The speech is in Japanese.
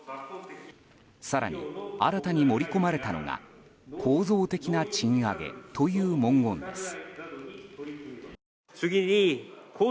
更に、新たに盛り込まれたのが構造的な賃上げという文言です。